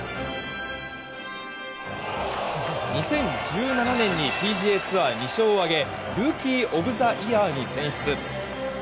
２０１７年にＰＧＡツアー２勝を挙げルーキー・オブ・ザ・イヤーに選出。